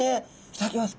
頂きます。